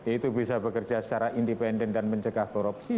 itu bisa bekerja secara independen dan mencegah korupsi